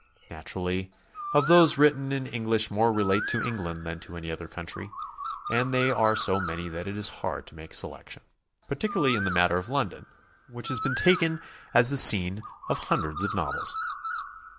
Naturally of those written in English more relate to England than to ajny other country, and they are so many that it it is hard to make selectio n, particularly in the matter of London, w'hich has been taken as the scene of hundreds of novels.